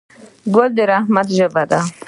ګل د محبت ژبه ده.